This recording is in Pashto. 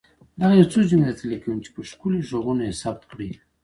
دغه يو څو جملې درته ليکم چي په ښکلي ږغونو يې ثبت کړئ.